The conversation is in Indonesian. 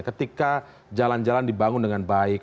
ketika jalan jalan dibangun dengan baik